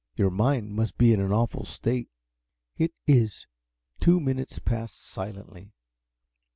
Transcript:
"Your mind must be in an awful state." "It is." Two minutes passed silently.